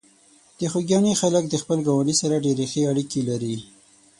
د خوږیاڼي خلک د خپلو ګاونډیو سره ډېرې ښې اړیکې لري.